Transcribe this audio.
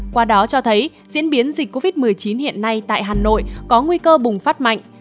qua đó cho thấy diễn biến dịch covid một mươi chín hiện nay tại hà nội có nguy cơ bùng phát mạnh